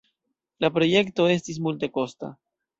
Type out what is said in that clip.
La projekto estis multekosta.